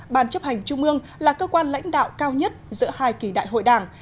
ban chấp hành trung ương là cơ quan lãnh đạo cao nhất giữa hai kỳ đại hội đảng